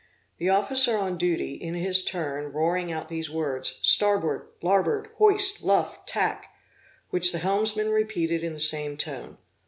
The officer on duty, in his turn, roaring out these words, starboard, larboard, hoist, luff, tack, which the helmsman repeated in the same tone.